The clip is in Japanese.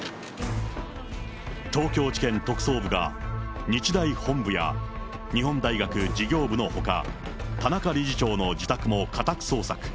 東京地検特捜部が、日大本部や日本大学事業部のほか、田中理事長の自宅も家宅捜索。